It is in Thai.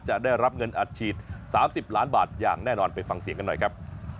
จะได้รับเงินอัดฉีด๓๐ล้านบาทอย่างแน่นอนไปฟังเสียงกันหน่อยครับ